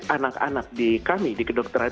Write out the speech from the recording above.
anak anak di kami di kedokteran